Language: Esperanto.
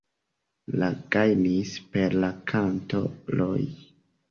Li gajnis per la kanto "Roi".